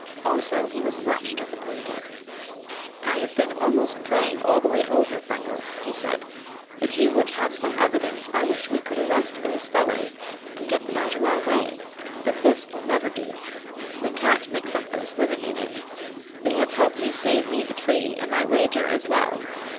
Also, he was much disappointed. "I have been almost praying all the way over, Freckles," he said, "that you would have some evidence by which we could arrest those fellows and get them out of our way, but this will never do. We can't mix up those women in it. They have helped you save me the tree and my wager as well.